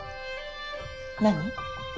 何？